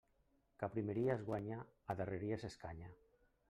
Qui a primeries guanya, a darreries s'escanya.